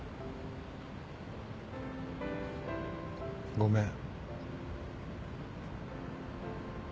ごめん。